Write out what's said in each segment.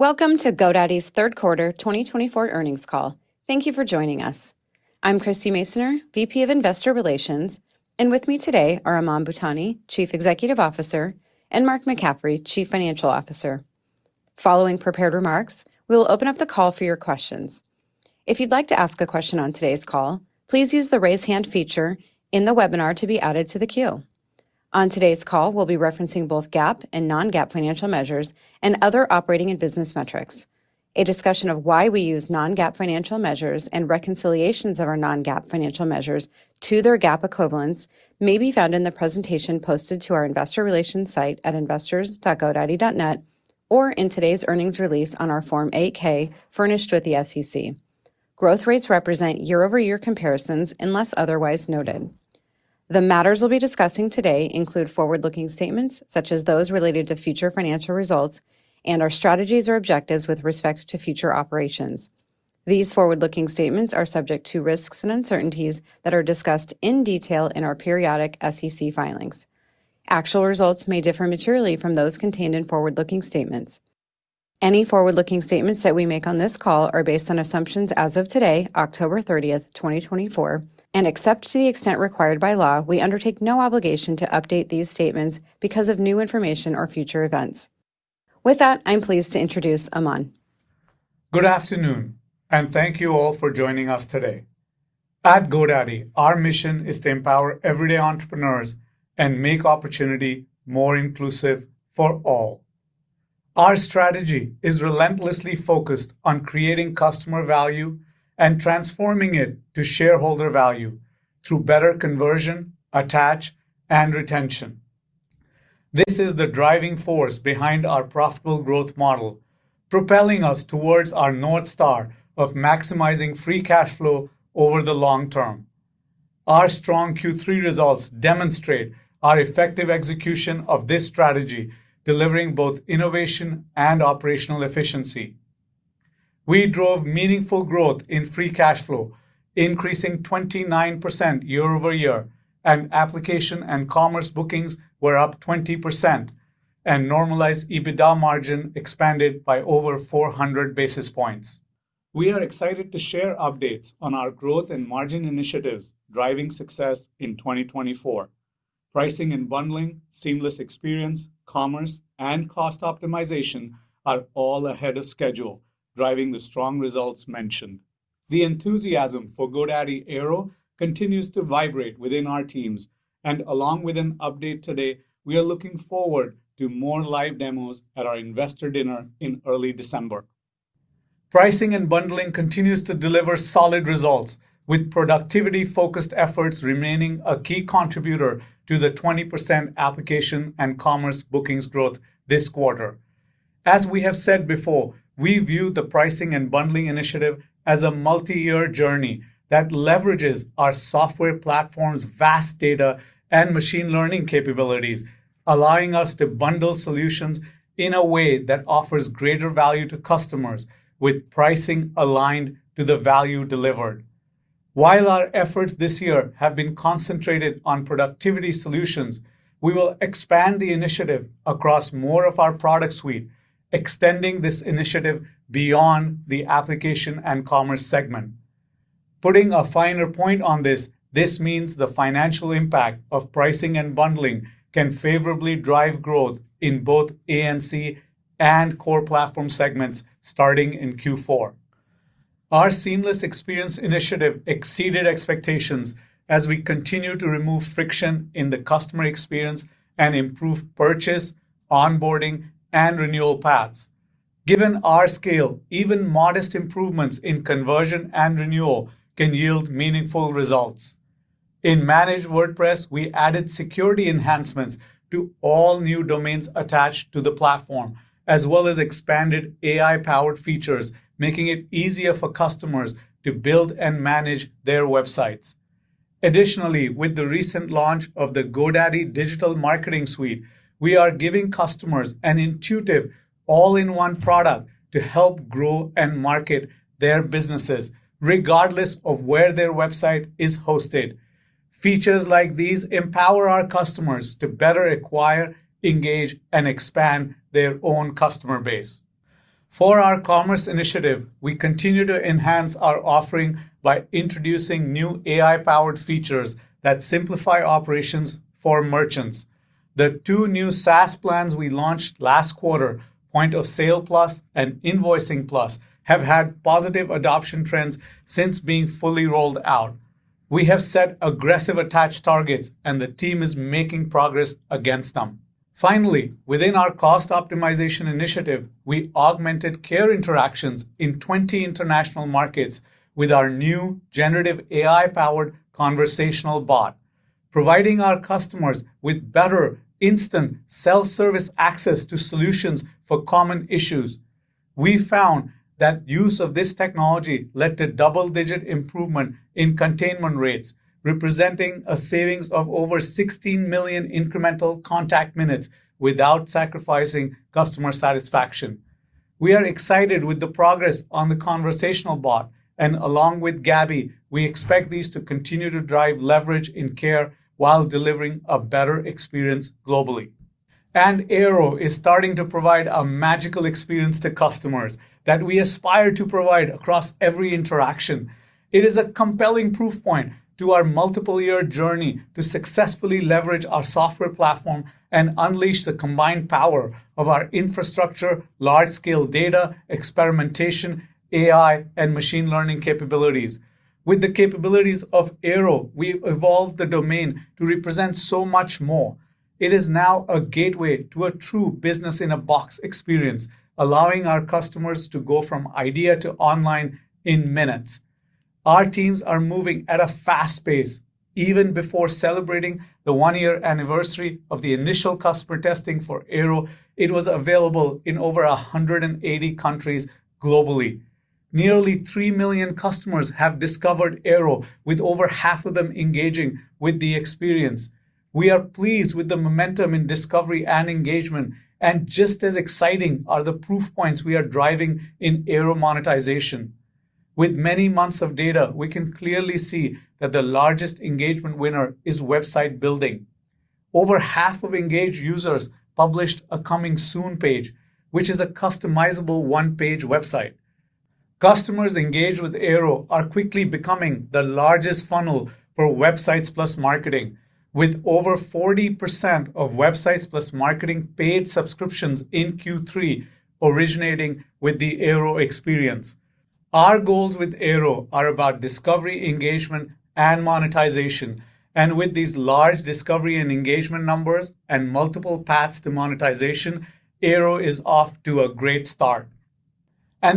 Welcome to GoDaddy's third quarter 2024 earnings call. Thank you for joining us. I'm Christie Masoner, VP of Investor Relations, and with me today are Aman Bhutani, Chief Executive Officer, and Mark McCaffrey, Chief Financial Officer. Following prepared remarks, we will open up the call for your questions. If you'd like to ask a question on today's call, please use the raise hand feature in the webinar to be added to the queue. On today's call, we'll be referencing both GAAP and non-GAAP financial measures and other operating and business metrics. A discussion of why we use non-GAAP financial measures and reconciliations of our non-GAAP financial measures to their GAAP equivalents may be found in the presentation posted to our investor relations site at investors.godaddy.net or in today's earnings release on our Form 8-K furnished with the SEC. Growth rates represent year-over-year comparisons unless otherwise noted. The matters we'll be discussing today include forward-looking statements such as those related to future financial results and our strategies or objectives with respect to future operations. These forward-looking statements are subject to risks and uncertainties that are discussed in detail in our periodic SEC filings. Actual results may differ materially from those contained in forward-looking statements. Any forward-looking statements that we make on this call are based on assumptions as of today, October 30th, 2024, and except to the extent required by law, we undertake no obligation to update these statements because of new information or future events. With that, I'm pleased to introduce Aman. Good afternoon, and thank you all for joining us today. At GoDaddy, our mission is to empower everyday entrepreneurs and make opportunity more inclusive for all. Our strategy is relentlessly focused on creating customer value and transforming it to shareholder value through better conversion, attach, and retention. This is the driving force behind our profitable growth model, propelling us towards our North Star of maximizing free cash flow over the long term. Our strong Q3 results demonstrate our effective execution of this strategy, delivering both innovation and operational efficiency. We drove meaningful growth in free cash flow, increasing 29% year-over-year, and Applications and Commerce bookings were up 20%, and normalized EBITDA margin expanded by over 400 basis points. We are excited to share updates on our growth and margin initiatives driving success in 2024. Pricing and bundling, seamless experience, commerce, and cost optimization are all ahead of schedule, driving the strong results mentioned. The enthusiasm for GoDaddy Airo continues to vibrate within our teams, and along with an update today, we are looking forward to more live demos at our investor dinner in early December. Pricing and bundling continues to deliver solid results, with productivity-focused efforts remaining a key contributor to the 20% Applications and Commerce bookings growth this quarter. As we have said before, we view the pricing and bundling initiative as a multi-year journey that leverages our software platform's vast data and machine learning capabilities, allowing us to bundle solutions in a way that offers greater value to customers with pricing aligned to the value delivered. While our efforts this year have been concentrated on productivity solutions, we will expand the initiative across more of our product suite, extending this initiative beyond the Applications and Commerce segment. Putting a finer point on this, this means the financial impact of pricing and bundling can favorably drive growth in both A&C and Core Platform segments starting in Q4. Our seamless experience initiative exceeded expectations as we continue to remove friction in the customer experience and improve purchase, onboarding, and renewal paths. Given our scale, even modest improvements in conversion and renewal can yield meaningful results. In Managed WordPress, we added security enhancements to all new domains attached to the platform, as well as expanded AI-powered features, making it easier for customers to build and manage their websites. Additionally, with the recent launch of the GoDaddy Digital Marketing Suite, we are giving customers an intuitive all-in-one product to help grow and market their businesses regardless of where their website is hosted. Features like these empower our customers to better acquire, engage, and expand their own customer base. For our commerce initiative, we continue to enhance our offering by introducing new AI-powered features that simplify operations for merchants. The two new SaaS plans we launched last quarter, Point of Sale Plus and Invoicing Plus, have had positive adoption trends since being fully rolled out. We have set aggressive attach targets, and the team is making progress against them. Finally, within our cost optimization initiative, we augmented care interactions in 20 international markets with our new generative AI-powered conversational bot, providing our customers with better instant self-service access to solutions for common issues. We found that use of this technology led to double-digit improvement in containment rates, representing a savings of over 16 million incremental contact minutes without sacrificing customer satisfaction. We are excited with the progress on the conversational bot, and along with Gabby, we expect these to continue to drive leverage in care while delivering a better experience globally, and Airo is starting to provide a magical experience to customers that we aspire to provide across every interaction. It is a compelling proof point to our multiple-year journey to successfully leverage our software platform and unleash the combined power of our infrastructure, large-scale data, experimentation, AI, and machine learning capabilities. With the capabilities of Airo, we've evolved the domain to represent so much more. It is now a gateway to a true business-in-a-box experience, allowing our customers to go from idea to online in minutes. Our teams are moving at a fast pace. Even before celebrating the one-year anniversary of the initial customer testing for Airo, it was available in over 180 countries globally. Nearly three million customers have discovered Airo, with over half of them engaging with the experience. We are pleased with the momentum in discovery and engagement, and just as exciting are the proof points we are driving in Airo monetization. With many months of data, we can clearly see that the largest engagement winner is website building. Over half of engaged users published a Coming Soon page, which is a customizable one-page website. Customers engaged with Airo are quickly becoming the largest funnel for Websites + Marketing, with over 40% of Websites + Marketing paid subscriptions in Q3 originating with the Airo experience. Our goals with Airo are about discovery, engagement, and monetization, and with these large discovery and engagement numbers and multiple paths to monetization, Airo is off to a great start.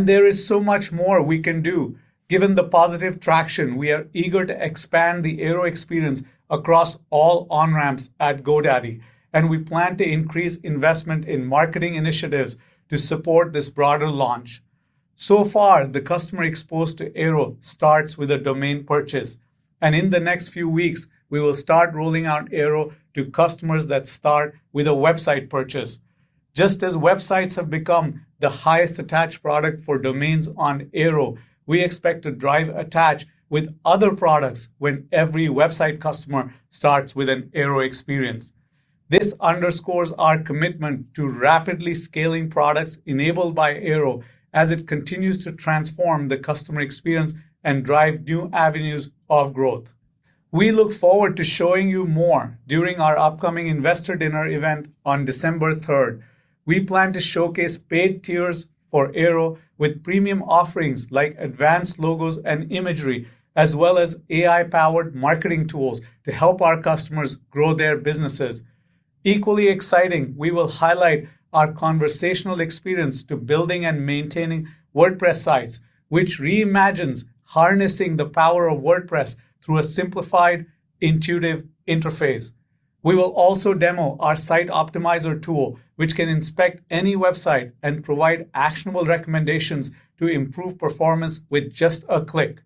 There is so much more we can do. Given the positive traction, we are eager to expand the Airo experience across all on-ramps at GoDaddy, and we plan to increase investment in marketing initiatives to support this broader launch. So far, the customer exposed to Airo starts with a domain purchase, and in the next few weeks, we will start rolling out Airo to customers that start with a website purchase. Just as websites have become the highest attach product for domains on Airo, we expect to drive attach with other products when every website customer starts with an Airo experience. This underscores our commitment to rapidly scaling products enabled by Airo as it continues to transform the customer experience and drive new avenues of growth. We look forward to showing you more during our upcoming investor dinner event on December 3rd. We plan to showcase paid tiers for Airo with premium offerings like advanced logos and imagery, as well as AI-powered marketing tools to help our customers grow their businesses. Equally exciting, we will highlight our conversational experience to building and maintaining WordPress sites, which reimagines harnessing the power of WordPress through a simplified, intuitive interface. We will also demo our Site Optimizer tool, which can inspect any website and provide actionable recommendations to improve performance with just a click.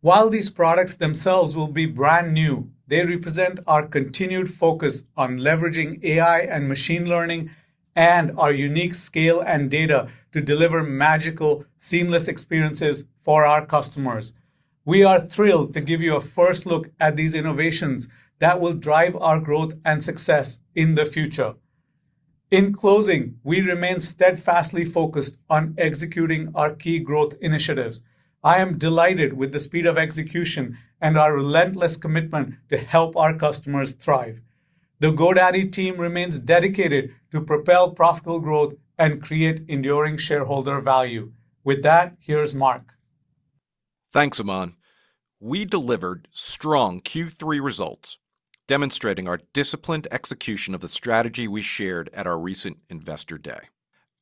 While these products themselves will be brand new, they represent our continued focus on leveraging AI and machine learning and our unique scale and data to deliver magical, seamless experiences for our customers. We are thrilled to give you a first look at these innovations that will drive our growth and success in the future. In closing, we remain steadfastly focused on executing our key growth initiatives. I am delighted with the speed of execution and our relentless commitment to help our customers thrive. The GoDaddy team remains dedicated to propel profitable growth and create enduring shareholder value. With that, here's Mark. Thanks, Aman. We delivered strong Q3 results, demonstrating our disciplined execution of the strategy we shared at our recent investor day.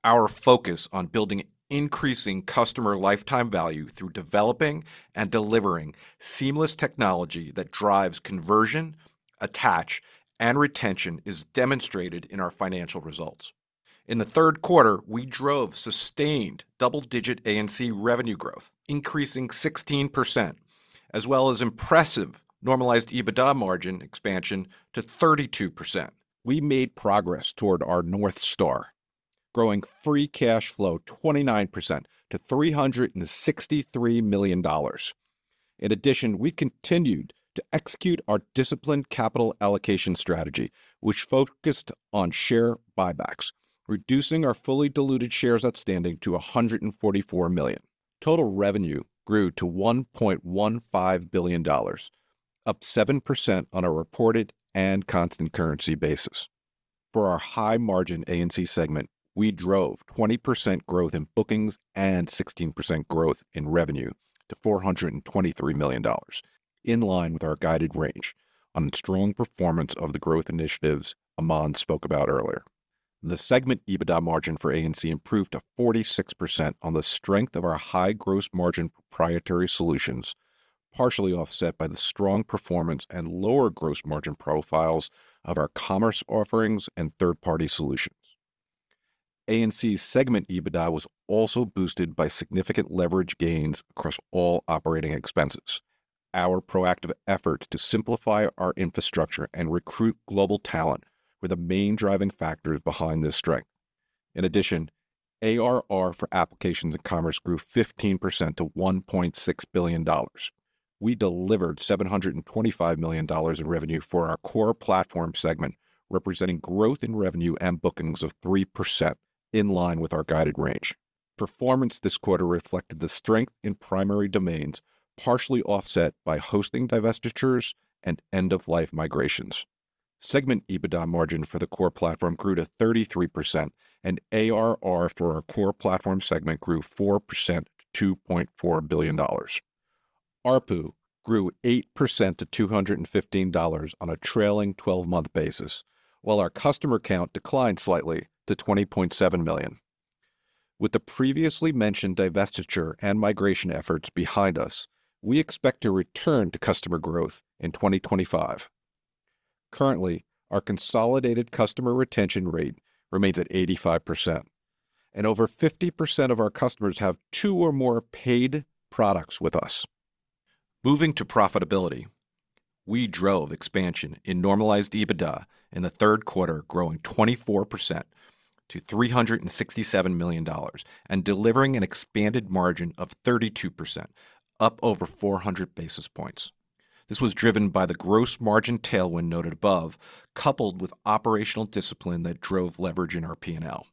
Our focus on building increasing customer lifetime value through developing and delivering seamless technology that drives conversion, attach, and retention is demonstrated in our financial results. In the third quarter, we drove sustained double-digit A&C revenue growth, increasing 16%, as well as impressive normalized EBITDA margin expansion to 32%. We made progress toward our North Star, growing free cash flow 29% to $363 million. In addition, we continued to execute our disciplined capital allocation strategy, which focused on share buybacks, reducing our fully diluted shares outstanding to 144 million. Total revenue grew to $1.15 billion, up 7% on a reported and constant currency basis. For our high-margin A&C segment, we drove 20% growth in bookings and 16% growth in revenue to $423 million, in line with our guided range on the strong performance of the growth initiatives Aman spoke about earlier. The segment EBITDA margin for A&C improved to 46% on the strength of our high gross margin proprietary solutions, partially offset by the strong performance and lower gross margin profiles of our commerce offerings and third-party solutions. A&C segment EBITDA was also boosted by significant leverage gains across all operating expenses. Our proactive effort to simplify our infrastructure and recruit global talent were the main driving factors behind this strength. In addition, ARR for Applications and Commerce grew 15% to $1.6 billion. We delivered $725 million in revenue for our Core Platform segment, representing growth in revenue and bookings of 3% in line with our guided range. Performance this quarter reflected the strength in primary domains, partially offset by hosting divestitures and end-of-life migrations. Segment EBITDA margin for the Core Platform grew to 33%, and ARR for our Core Platform segment grew 4% to $2.4 billion. ARPU grew 8% to $215 on a trailing 12-month basis, while our customer count declined slightly to 20.7 million. With the previously mentioned divestiture and migration efforts behind us, we expect to return to customer growth in 2025. Currently, our consolidated customer retention rate remains at 85%, and over 50% of our customers have two or more paid products with us. Moving to profitability, we drove expansion in normalized EBITDA in the third quarter, growing 24% to $367 million and delivering an expanded margin of 32%, up over 400 basis points. This was driven by the gross margin tailwind noted above, coupled with operational discipline that drove leverage in our P&L.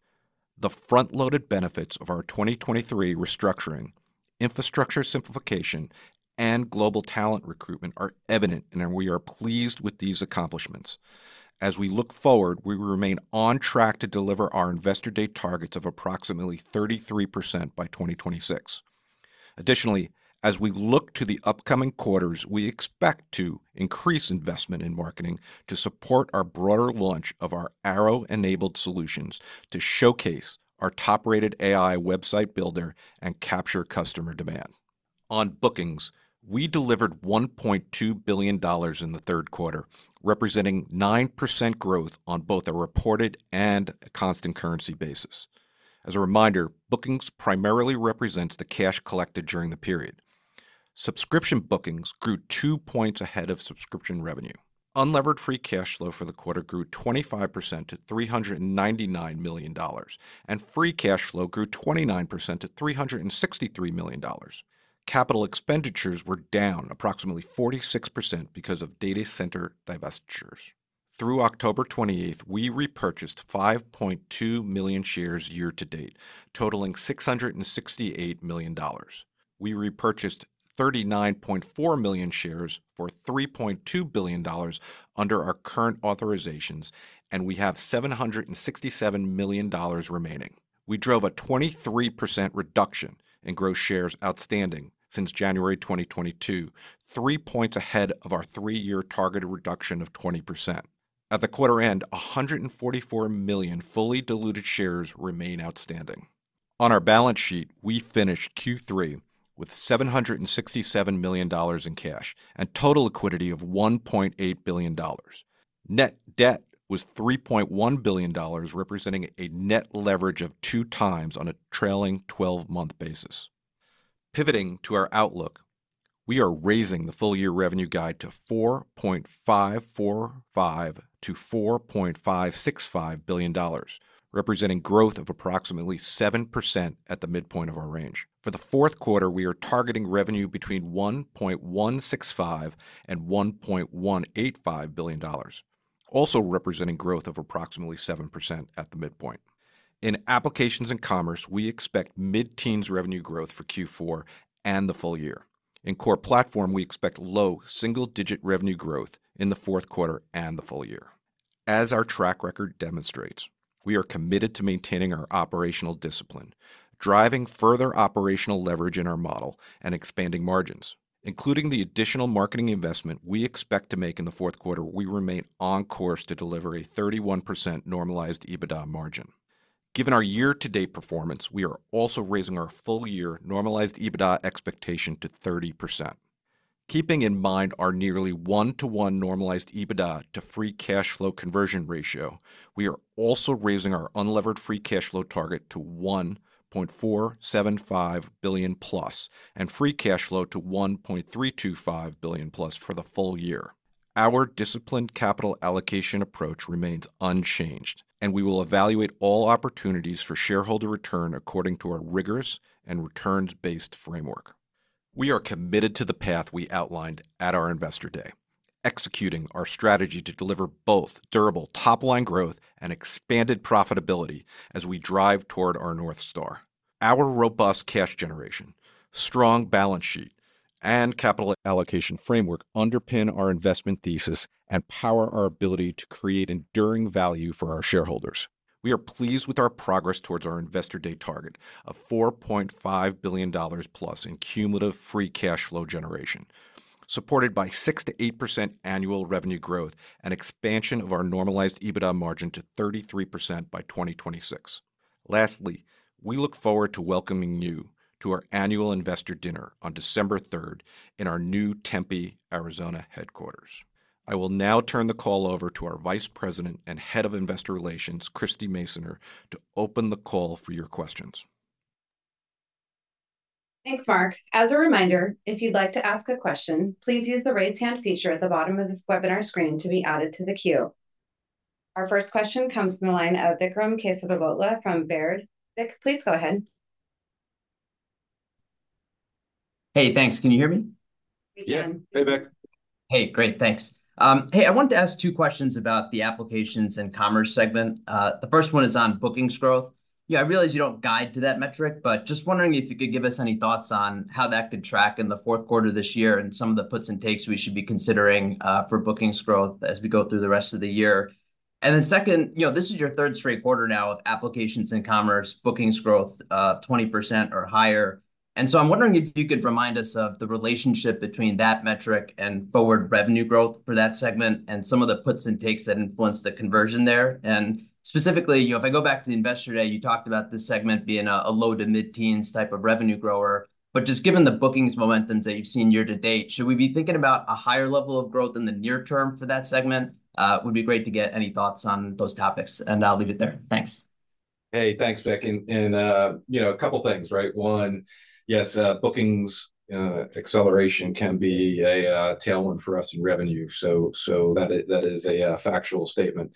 The front-loaded benefits of our 2023 restructuring, infrastructure simplification, and global talent recruitment are evident, and we are pleased with these accomplishments. As we look forward, we will remain on track to deliver our investor day targets of approximately 33% by 2026. Additionally, as we look to the upcoming quarters, we expect to increase investment in marketing to support our broader launch of our Airo-enabled solutions to showcase our top-rated AI website builder and capture customer demand. On bookings, we delivered $1.2 billion in the third quarter, representing 9% growth on both a reported and a constant currency basis. As a reminder, bookings primarily represent the cash collected during the period. Subscription bookings grew two points ahead of subscription revenue. Unlevered free cash flow for the quarter grew 25% to $399 million, and free cash flow grew 29% to $363 million. Capital expenditures were down approximately 46% because of data center divestitures. Through October 28th, we repurchased 5.2 million shares year to date, totaling $668 million. We repurchased 39.4 million shares for $3.2 billion under our current authorizations, and we have $767 million remaining. We drove a 23% reduction in gross shares outstanding since January 2022, three points ahead of our three-year targeted reduction of 20%. At the quarter end, 144 million fully diluted shares remain outstanding. On our balance sheet, we finished Q3 with $767 million in cash and total liquidity of $1.8 billion. Net debt was $3.1 billion, representing a net leverage of two times on a trailing 12-month basis. Pivoting to our outlook, we are raising the full-year revenue guide to $4.545-$4.565 billion, representing growth of approximately 7% at the midpoint of our range. For the fourth quarter, we are targeting revenue between $1.165 and $1.185 billion, also representing growth of approximately 7% at the midpoint. In Applications and Commerce, we expect mid-teens revenue growth for Q4 and the full year. In Core Platform, we expect low single-digit revenue growth in the fourth quarter and the full year. As our track record demonstrates, we are committed to maintaining our operational discipline, driving further operational leverage in our model, and expanding margins. Including the additional marketing investment we expect to make in the fourth quarter, we remain on course to deliver a 31% normalized EBITDA margin. Given our year-to-date performance, we are also raising our full-year normalized EBITDA expectation to 30%. Keeping in mind our nearly one-to-one normalized EBITDA to free cash flow conversion ratio, we are also raising our unlevered free cash flow target to $1.475 billion plus and free cash flow to $1.325 billion plus for the full year. Our disciplined capital allocation approach remains unchanged, and we will evaluate all opportunities for shareholder return according to our rigorous and returns-based framework. We are committed to the path we outlined at our investor day, executing our strategy to deliver both durable top-line growth and expanded profitability as we drive toward our North Star. Our robust cash generation, strong balance sheet, and capital allocation framework underpin our investment thesis and power our ability to create enduring value for our shareholders. We are pleased with our progress towards our investor day target of $4.5 billion plus in cumulative free cash flow generation, supported by 6%-8% annual revenue growth and expansion of our normalized EBITDA margin to 33% by 2026. Lastly, we look forward to welcoming you to our annual investor dinner on December 3rd in our new Tempe, Arizona headquarters. I will now turn the call over to our Vice President and Head of Investor Relations, Christie Masoner, to open the call for your questions. Thanks, Mark. As a reminder, if you'd like to ask a question, please use the raise hand feature at the bottom of this webinar screen to be added to the queue. Our first question comes from the line of Vikram Kesavabhotla from Baird. Vik, please go ahead. Hey, thanks. Can you hear me? Yeah. Hey, Vik. Hey, great. Thanks. Hey, I wanted to ask two questions about the Applications and Commerce segment. The first one is on bookings growth. I realize you don't guide to that metric, but just wondering if you could give us any thoughts on how that could track in the fourth quarter of this year and some of the puts and takes we should be considering for bookings growth as we go through the rest of the year? And then second, this is your third straight quarter now of Applications and Commerce, bookings growth 20% or higher. And so I'm wondering if you could remind us of the relationship between that metric and forward revenue growth for that segment and some of the puts and takes that influence the conversion there. And specifically, if I go back to the investor day, you talked about this segment being a low to mid-teens type of revenue grower. But just given the bookings momentums that you've seen year to date, should we be thinking about a higher level of growth in the near term for that segment? It would be great to get any thoughts on those topics, and I'll leave it there. Thanks. Hey, thanks, Vik. And a couple of things, right? One, yes, bookings acceleration can be a tailwind for us in revenue. So that is a factual statement.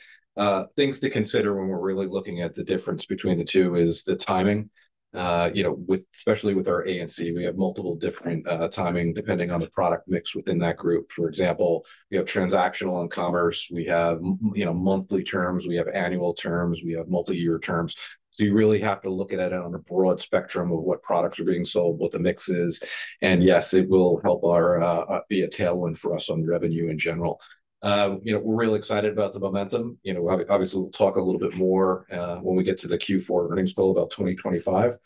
Things to consider when we're really looking at the difference between the two is the timing, especially with our A&C. We have multiple different timing depending on the product mix within that group. For example, we have transactional and commerce. We have monthly terms. We have annual terms. We have multi-year terms. So you really have to look at it on a broad spectrum of what products are being sold, what the mix is. And yes, it will help be a tailwind for us on revenue in general. We're really excited about the momentum. Obviously, we'll talk a little bit more when we get to the Q4 earnings call about 2025.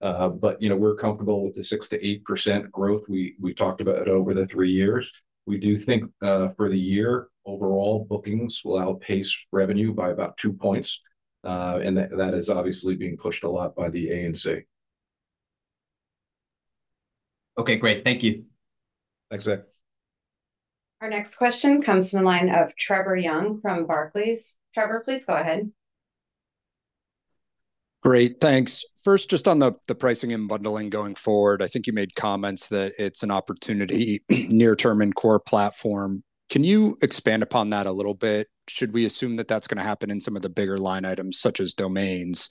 But we're comfortable with the 6%-8% growth. We talked about it over the three years. We do think for the year, overall, bookings will outpace revenue by about two points, and that is obviously being pushed a lot by the A&C. Okay, great. Thank you. Thanks, Vik. Our next question comes from the line of Trevor Young from Barclays. Trevor, please go ahead. Great, thanks. First, just on the pricing and bundling going forward, I think you made comments that it's an opportunity near-term in Core Platform. Can you expand upon that a little bit? Should we assume that that's going to happen in some of the bigger line items, such as domains?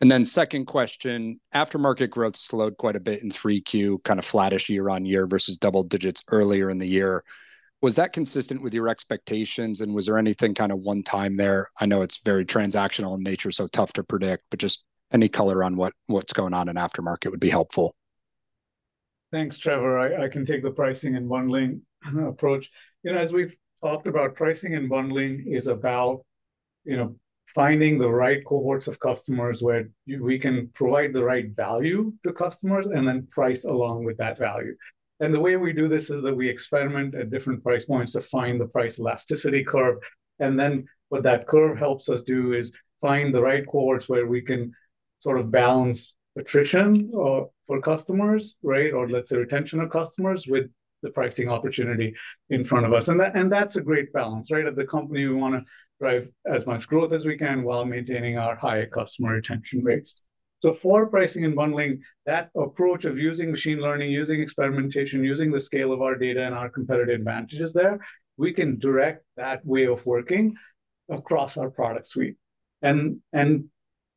And then second question, aftermarket growth slowed quite a bit in 3Q, kind of flattish year-on-year versus double digits earlier in the year. Was that consistent with your expectations, and was there anything kind of one-time there? I know it's very transactional in nature, so tough to predict, but just any color on what's going on in aftermarket would be helpful. Thanks, Trevor. I can take the pricing and bundling approach. As we've talked about, pricing and bundling is about finding the right cohorts of customers where we can provide the right value to customers and then price along with that value. And the way we do this is that we experiment at different price points to find the price elasticity curve. And then what that curve helps us do is find the right cohorts where we can sort of balance attrition for customers, or let's say retention of customers with the pricing opportunity in front of us. And that's a great balance, right? As a company, we want to drive as much growth as we can while maintaining our high customer retention rates. So for pricing and bundling, that approach of using machine learning, using experimentation, using the scale of our data and our competitive advantages there, we can direct that way of working across our product suite and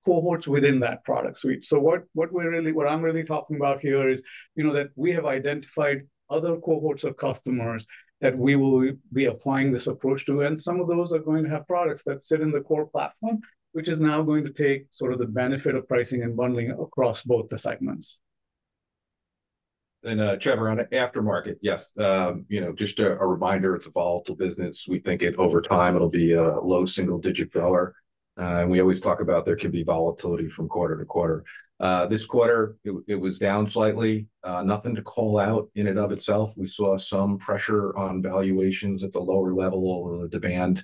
cohorts within that product suite. So what I'm really talking about here is that we have identified other cohorts of customers that we will be applying this approach to. And some of those are going to have products that sit in the Core Platform, which is now going to take sort of the benefit of pricing and bundling across both the segments. Trevor, on aftermarket, yes. Just a reminder, it's a volatile business. We think over time it'll be a low single-digit grower. We always talk about there can be volatility from quarter to quarter. This quarter, it was down slightly. Nothing to call out in and of itself. We saw some pressure on valuations at the lower level. The demand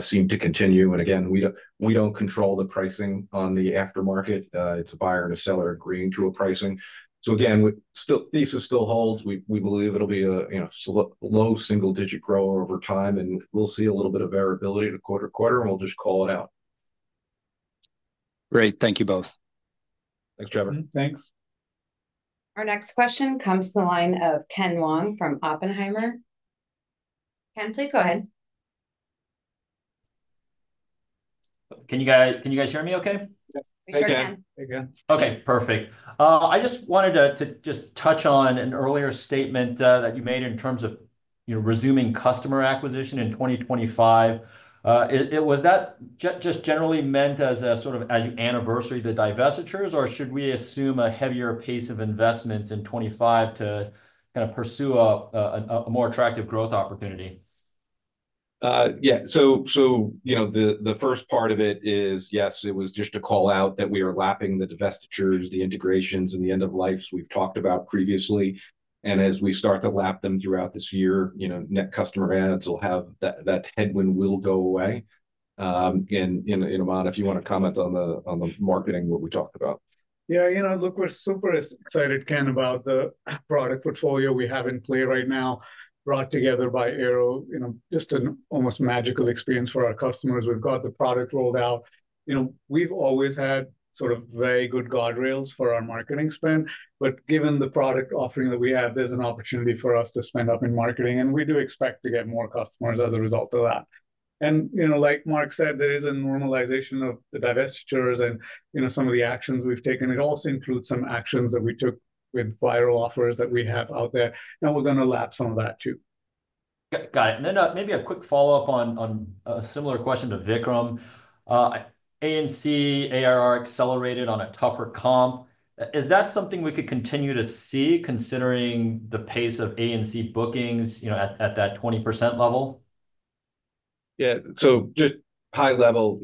seemed to continue. Again, we don't control the pricing on the aftermarket. It's a buyer and a seller agreeing to a pricing. So again, these are still holds. We believe it'll be a low single-digit grower over time, and we'll see a little bit of variability in a quarter to quarter, and we'll just call it out. Great. Thank you both. Thanks, Trevor. Thanks. Our next question comes from the line of Ken Wong from Oppenheimer. Ken, please go ahead. Can you guys hear me okay? Hey, Ken. Hey, Ken. Okay, perfect. I just wanted to just touch on an earlier statement that you made in terms of resuming customer acquisition in 2025. Was that just generally meant as a sort of anniversary to divestitures, or should we assume a heavier pace of investments in 2025 to kind of pursue a more attractive growth opportunity? Yeah. So the first part of it is, yes, it was just a call out that we are lapping the divestitures, the integrations, and the end-of-lives we've talked about previously. And as we start to lap them throughout this year, net customer adds will have that headwind will go away. And Aman, if you want to comment on the marketing, what we talked about. Yeah, look, we're super excited, Ken, about the product portfolio we have in play right now, brought together by Airo. Just an almost magical experience for our customers. We've got the product rolled out. We've always had sort of very good guardrails for our marketing spend. But given the product offering that we have, there's an opportunity for us to spend up in marketing. And we do expect to get more customers as a result of that. And like Mark said, there is a normalization of the divestitures and some of the actions we've taken. It also includes some actions that we took with viral offers that we have out there. And we're going to lap some of that too. Got it. And then maybe a quick follow-up on a similar question to Vikram. A&C, ARR accelerated on a tougher comp. Is that something we could continue to see considering the pace of A&C bookings at that 20% level? Yeah. So just high level,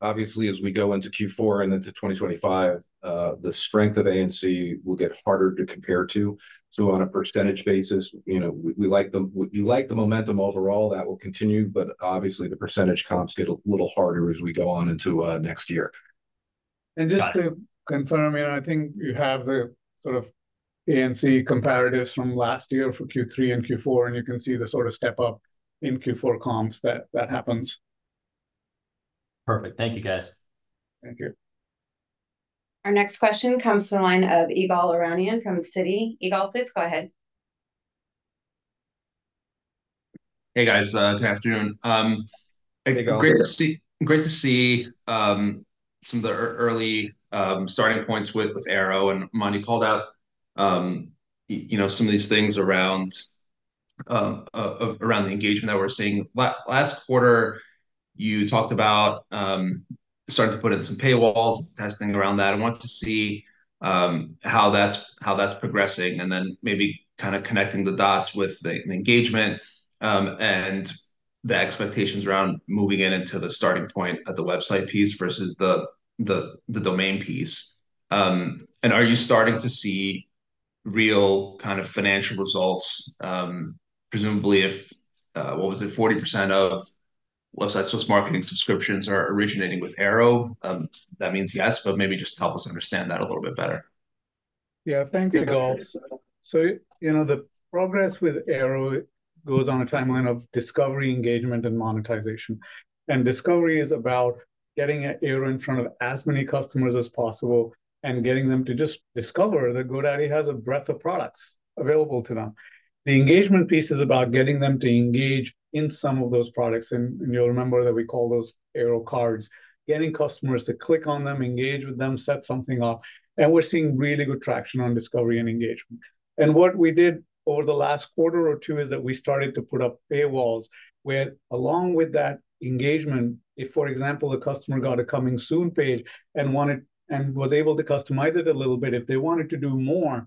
obviously, as we go into Q4 and into 2025, the strength of A&C will get harder to compare to. So on a percentage basis, we like the momentum overall that will continue, but obviously, the percentage comps get a little harder as we go on into next year. Just to confirm, I think you have the sort of A&C comparatives from last year for Q3 and Q4, and you can see the sort of step-up in Q4 comps that happens. Perfect. Thank you, guys. Thank you. Our next question comes from the line of Ygal Arounian from Citi. Ygal, please go ahead. Hey, guys. Good afternoon. Great to see some of the early starting points with Airo and Aman. You called out some of these things around the engagement that we're seeing. Last quarter, you talked about starting to put in some paywalls and testing around that. I want to see how that's progressing and then maybe kind of connecting the dots with the engagement and the expectations around moving it into the starting point of the website piece versus the domain piece. And are you starting to see real kind of financial results? Presumably, if, what was it, 40% of website marketing subscriptions are originating with Airo, that means yes, but maybe just help us understand that a little bit better. Yeah, thanks, Ygal. So the progress with Airo goes on a timeline of discovery, engagement, and monetization. And discovery is about getting Airo in front of as many customers as possible and getting them to just discover that GoDaddy has a breadth of products available to them. The engagement piece is about getting them to engage in some of those products. And you'll remember that we call those Airo cards, getting customers to click on them, engage with them, set something up. And we're seeing really good traction on discovery and engagement. What we did over the last quarter or two is that we started to put up paywalls where, along with that engagement, if, for example, a customer got a Coming Soon page and was able to customize it a little bit, if they wanted to do more,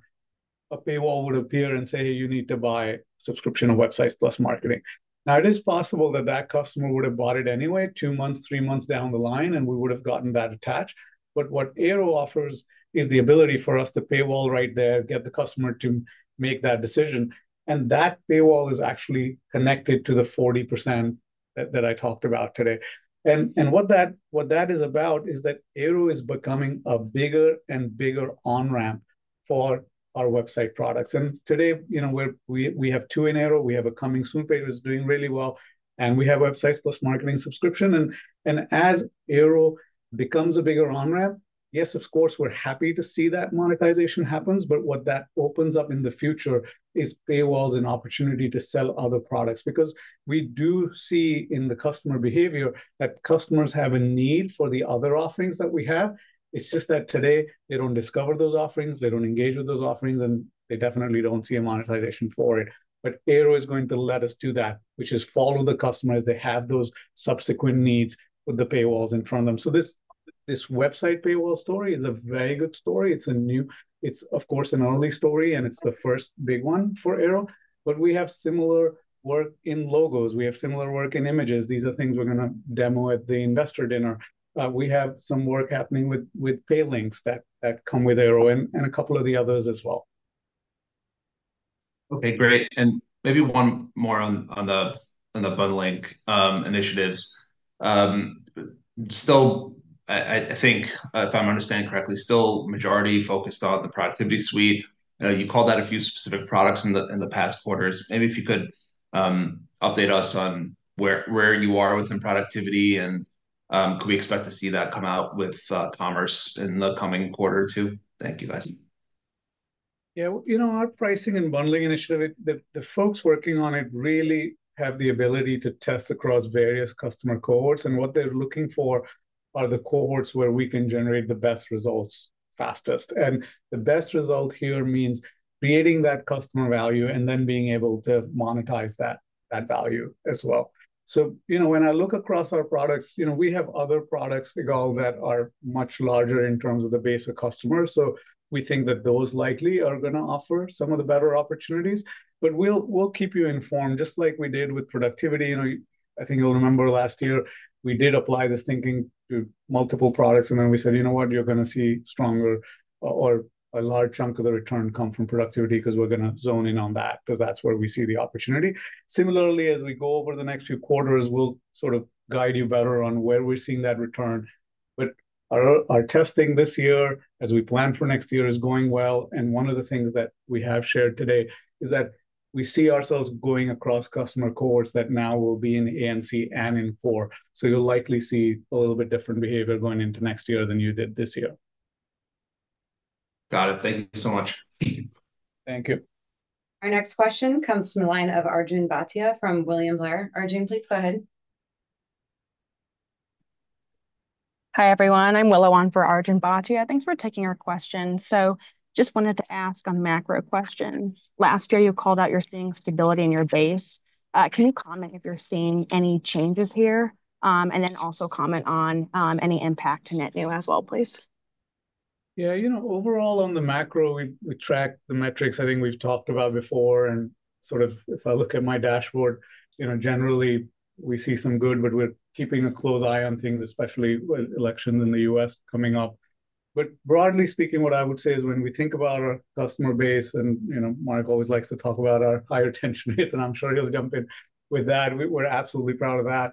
a paywall would appear and say, "Hey, you need to buy subscription of Websites + Marketing." Now, it is possible that that customer would have bought it anyway, two months, three months down the line, and we would have gotten that attached. But what Airo offers is the ability for us to paywall right there, get the customer to make that decision. And that paywall is actually connected to the 40% that I talked about today. And what that is about is that Airo is becoming a bigger and bigger on-ramp for our website products. And today, we have two in Airo. We have a Coming Soon page that's doing really well, and we have Websites + Marketing subscription. And as Airo becomes a bigger on-ramp, yes, of course, we're happy to see that monetization happens. But what that opens up in the future is paywalls and opportunity to sell other products because we do see in the customer behavior that customers have a need for the other offerings that we have. It's just that today, they don't discover those offerings. They don't engage with those offerings, and they definitely don't see a monetization for it. But Airo is going to let us do that, which is follow the customers. They have those subsequent needs with the paywalls in front of them. So this website paywall story is a very good story. It's, of course, an early story, and it's the first big one for Airo. But we have similar work in logos. We have similar work in images. These are things we're going to demo at the investor dinner. We have some work happening with Pay Links that come with Airo and a couple of the others as well. Okay, great. And maybe one more on the bundling initiatives. Still, I think, if I'm understanding correctly, still majority focused on the productivity suite. You called out a few specific products in the past quarters. Maybe if you could update us on where you are within productivity and could we expect to see that come out with commerce in the coming quarter or two? Thank you, guys. Yeah. Our pricing and bundling initiative, the folks working on it really have the ability to test across various customer cohorts. And what they're looking for are the cohorts where we can generate the best results fastest. And the best result here means creating that customer value and then being able to monetize that value as well. So when I look across our products, we have other products, Ygal, that are much larger in terms of the base of customers. So we think that those likely are going to offer some of the better opportunities. But we'll keep you informed just like we did with productivity. I think you'll remember last year, we did apply this thinking to multiple products. And then we said, "You know what? You're going to see stronger or a large chunk of the return come from productivity because we're going to zone in on that because that's where we see the opportunity." Similarly, as we go over the next few quarters, we'll sort of guide you better on where we're seeing that return. But our testing this year, as we plan for next year, is going well. And one of the things that we have shared today is that we see ourselves going across customer cohorts that now will be in A&C and in core. So you'll likely see a little bit different behavior going into next year than you did this year. Got it. Thank you so much. Thank you. Our next question comes from the line of Arjun Bhatia from William Blair. Arjun, please go ahead. Hi everyone. I'm Willow Wong for Arjun Bhatia. Thanks for taking our questions. So just wanted to ask on macro questions. Last year, you called out you're seeing stability in your base. Can you comment if you're seeing any changes here? And then also comment on any impact to net new as well, please. Yeah. Overall, on the macro, we track the metrics. I think we've talked about before. And sort of if I look at my dashboard, generally, we see some good, but we're keeping a close eye on things, especially with elections in the U.S. coming up. But broadly speaking, what I would say is when we think about our customer base, and Mark always likes to talk about our high retention rates, and I'm sure he'll jump in with that. We're absolutely proud of that.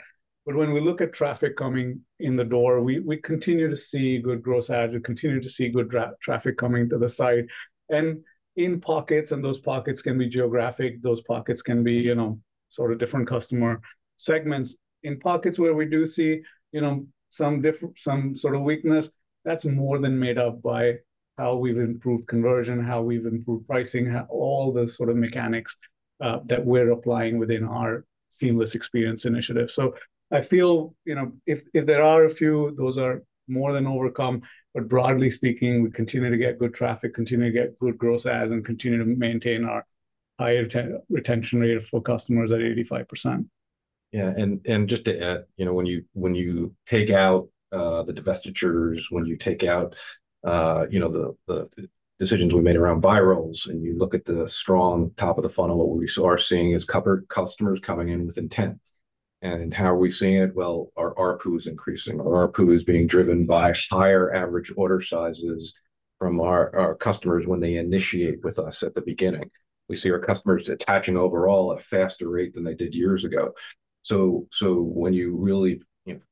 But when we look at traffic coming in the door, we continue to see good gross adds. We continue to see good traffic coming to the site. And in pockets, and those pockets can be geographic. Those pockets can be sort of different customer segments. In pockets where we do see some sort of weakness, that's more than made up by how we've improved conversion, how we've improved pricing, all the sort of mechanics that we're applying within our seamless experience initiative, so I feel if there are a few, those are more than overcome, but broadly speaking, we continue to get good traffic, continue to get good gross adds, and continue to maintain our high retention rate for customers at 85%. Yeah. And just to add, when you take out the divestitures, when you take out the decisions we made around virals, and you look at the strong top of the funnel, what we are seeing is customers coming in with intent. And how are we seeing it? Well, our ARPU is increasing. Our ARPU is being driven by higher average order sizes from our customers when they initiate with us at the beginning. We see our customers attaching overall at a faster rate than they did years ago. So when you really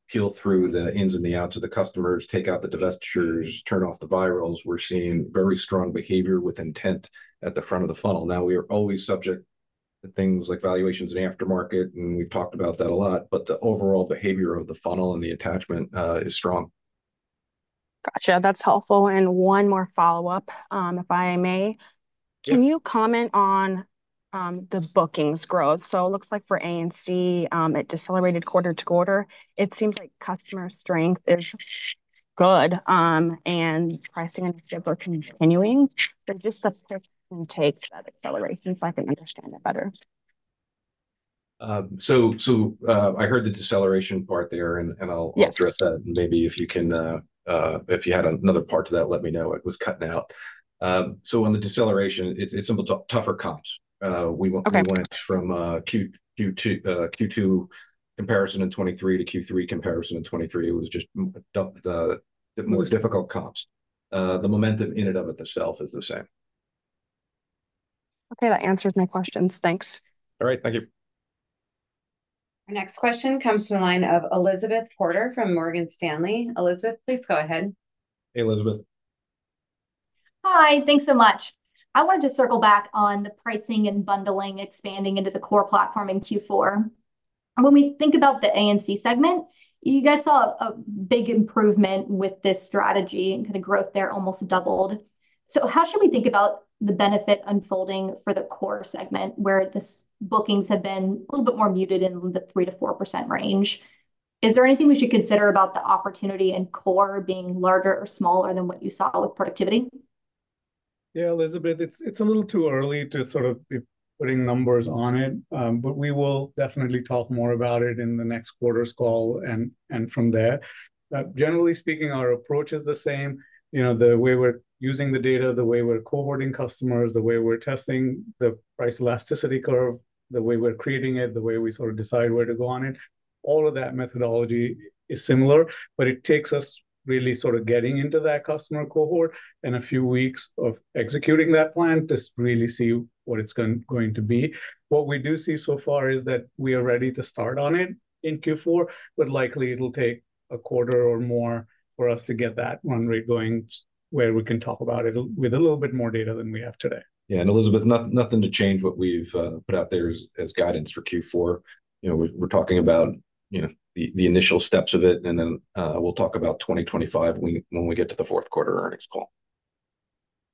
peel through the ins and the outs of the customers, take out the divestitures, turn off the virals, we're seeing very strong behavior with intent at the front of the funnel. Now, we are always subject to things like valuations and aftermarket, and we've talked about that a lot. But the overall behavior of the funnel and the attachment is strong. Gotcha. That's helpful, and one more follow-up, if I may. Can you comment on the bookings growth? So it looks like for A&C, it decelerated quarter to quarter. It seems like customer strength is good, and pricing initiatives are continuing. Just a quick take on that deceleration so I can understand it better. So I heard the deceleration part there, and I'll address that. And maybe if you had another part to that, let me know. It was cutting out. So on the deceleration, it's some tougher comps. We went from Q2 comparison in 2023 to Q3 comparison in 2023. It was just more difficult comps. The momentum in and of itself is the same. Okay. That answers my questions. Thanks. All right. Thank you. Our next question comes from the line of Elizabeth Porter from Morgan Stanley. Elizabeth, please go ahead. Hey, Elizabeth. Hi. Thanks so much. I wanted to circle back on the pricing and bundling expanding into the Core Platform in Q4. When we think about the A&C segment, you guys saw a big improvement with this strategy and kind of growth there almost doubled. So how should we think about the benefit unfolding for the Core segment where the bookings have been a little bit more muted in the 3%-4% range? Is there anything we should consider about the opportunity and Core being larger or smaller than what you saw with productivity? Yeah, Elizabeth, it's a little too early to sort of be putting numbers on it, but we will definitely talk more about it in the next quarter's call and from there. Generally speaking, our approach is the same. The way we're using the data, the way we're cohorting customers, the way we're testing the price elasticity curve, the way we're creating it, the way we sort of decide where to go on it, all of that methodology is similar. But it takes us really sort of getting into that customer cohort and a few weeks of executing that plan to really see what it's going to be. What we do see so far is that we are ready to start on it in Q4, but likely it'll take a quarter or more for us to get that run rate going where we can talk about it with a little bit more data than we have today. Yeah. And Elizabeth, nothing to change what we've put out there as guidance for Q4. We're talking about the initial steps of it, and then we'll talk about 2025 when we get to the fourth quarter earnings call.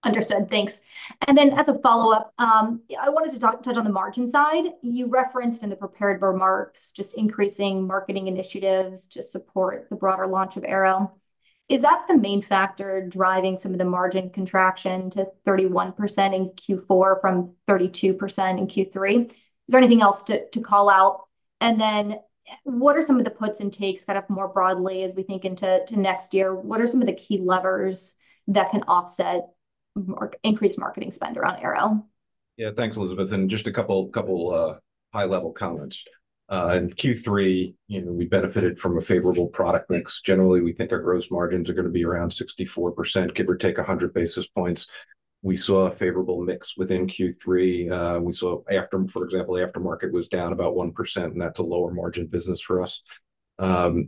Understood. Thanks. And then as a follow-up, I wanted to touch on the margin side. You referenced in the prepared remarks just increasing marketing initiatives to support the broader launch of Airo. Is that the main factor driving some of the margin contraction to 31% in Q4 from 32% in Q3? Is there anything else to call out? And then what are some of the puts and takes kind of more broadly as we think into next year? What are some of the key levers that can offset or increase marketing spend around Airo? Yeah. Thanks, Elizabeth. And just a couple high-level comments. In Q3, we benefited from a favorable product mix. Generally, we think our gross margins are going to be around 64%, give or take 100 basis points. We saw a favorable mix within Q3. We saw, for example, aftermarket was down about 1%, and that's a lower margin business for us. As